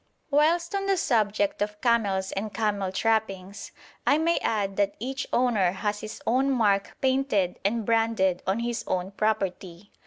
Whilst on the subject of camels and camel trappings, I may add that each owner has his own mark painted and branded on his own property.